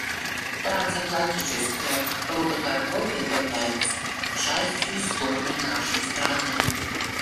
Трансатлантическая работорговля является частью истории нашей страны.